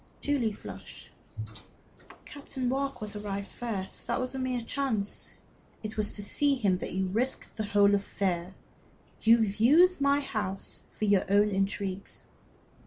Julie flushed. "Captain Warkworth arrived first; that was a mere chance." "It was to see him that you risked the whole affair. You have used my house for your own intrigues."